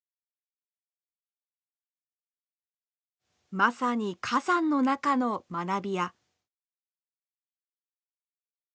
まさに火山の中の学びや。